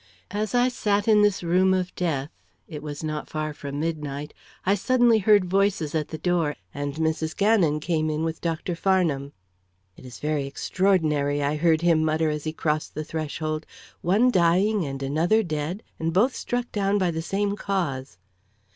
As I sat in this room of death it was not far from midnight I suddenly heard voices at the door, and Mrs. Gannon came in with Dr. Farnham. "It is very extraordinary," I heard him mutter as he crossed the threshold. "One dying and another dead, and both struck down by the same cause."